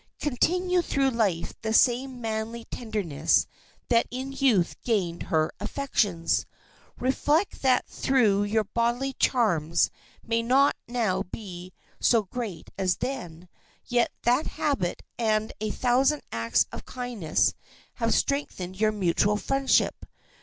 Continue through life the same manly tenderness that in youth gained her affections. Reflect that though her bodily charms may not now be so great as then, yet that habit and a thousand acts of kindness have strengthened your mutual friendship.